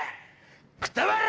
くたばれ‼